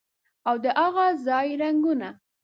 او د هاغه ځای رنګونه